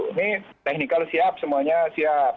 ini technical siap semuanya siap